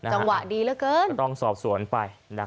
จังหวะดีแล้วเกิน